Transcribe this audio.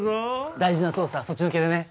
大事な捜査そっちのけでね。